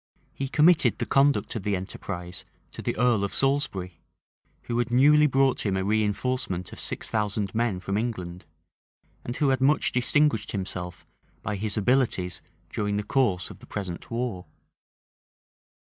He committed the conduct of the enterprise to the earl of Salisbury, who had newly brought him a reënforcement of six thousand men from England, and who had much distinguished himself by his abilities during the course of the present war.